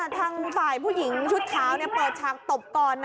ทางฝ่ายผู้หญิงชุดขาวเปิดฉากตบก่อนนะ